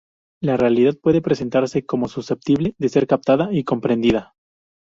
La realidad puede presentarse como susceptible de ser captada y comprendida.